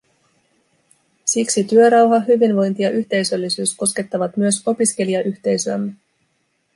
Siksi työrauha, hyvinvointi ja yhteisöllisyys koskettavat myös opiskelijayhteisöämme.